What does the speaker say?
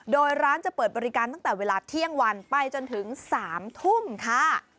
โดยร้านจะเปิดบริการตั้งแต่เวลาเที่ยงวันไปจนถึง๓ทุ่มค่ะ